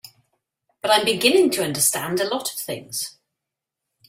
But I'm beginning to understand a lot of things.